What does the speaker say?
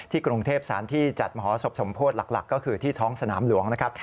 กรุงเทพสารที่จัดมหาศพสมโพธิหลักก็คือที่ท้องสนามหลวงนะครับ